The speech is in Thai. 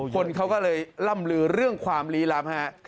คนเขาก็เลยล่ำลือเรื่องความลี้ลับฮะ